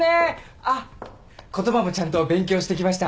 あっ言葉もちゃんと勉強してきました。